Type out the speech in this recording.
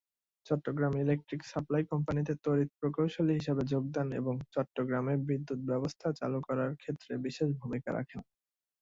Chittagong electric supply কোম্পানিতে তড়িৎ প্রকৌশলী হিসেবে যোগদান এবং চট্টগ্রামে বিদ্যুৎ ব্যবস্থা চালু করার ক্ষেত্রে বিশেষ ভূমিকা রাখেন।